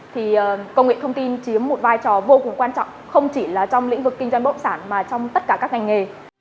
thì công nghệ thông tin chiếm một vai trò vô cùng quan trọng không chỉ là trong lĩnh vực kinh doanh bất động sản mà trong tất cả các ngành nghề